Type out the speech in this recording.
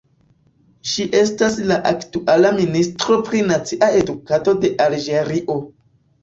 Ŝi estas la aktuala ministro pri nacia edukado de Alĝerio.